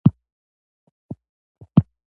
انټرنیټ څنګه کار کوي؟